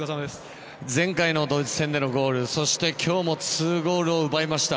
前回のドイツ戦でのゴールそして今日も２ゴールを奪いました。